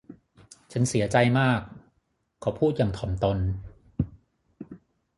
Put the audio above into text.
ฉันเสียใจมาก เขาพูดอย่างถ่อมตน